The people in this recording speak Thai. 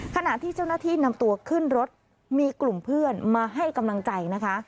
ขณะที่เจ้าหน้าที่นำตัวขึ้นรถมีกลุ่มเพื่อนมาให้กำลังใจนะคะ